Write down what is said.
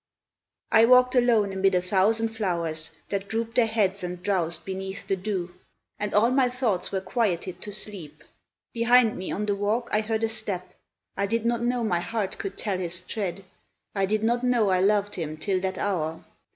I walked alone amid a thousand flowers, That drooped their heads and drowsed beneath the dew, And all my thoughts were quieted to sleep. Behind me, on the walk, I heard a step I did not know my heart could tell his tread, I did not know I loved him till that hour.